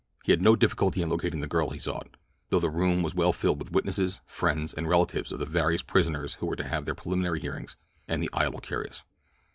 He had no difficulty in locating the girl he sought, though the room was well filled with witnesses, friends, and relatives of the various prisoners who were to have their preliminary hearings, and the idle curious.